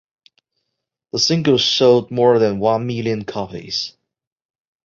The single sold more than one million copies.